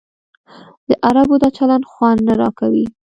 د عربو دا چلند خوند نه راکوي.